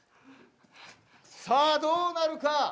さあ、どうなるか。